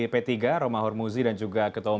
p tiga romah hormuzi dan juga ketua umum